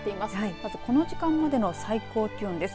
まずこの時間までの最高気温です。